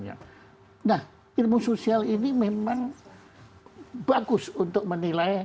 nah ilmu sosial ini memang bagus untuk menilai